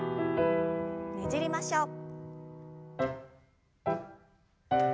ねじりましょう。